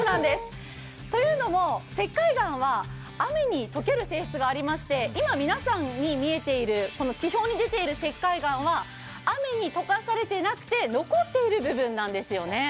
というのも、石灰岩は雨に溶ける性質がありまして、今、皆さんに見えている、地表に出ている石灰岩は雨に溶かされてなくて残っている部分なんですよね。